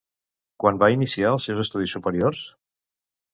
Quan va iniciar els seus estudis superiors?